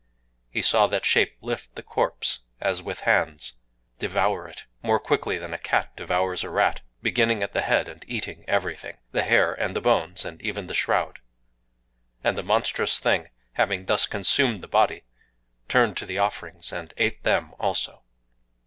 He saw that Shape lift the corpse, as with hands, devour it, more quickly than a cat devours a rat,—beginning at the head, and eating everything: the hair and the bones and even the shroud. And the monstrous Thing, having thus consumed the body, turned to the offerings, and ate them also.